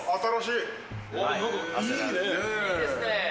いいですね。